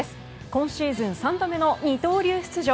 今シーズン３度目の二刀流出場。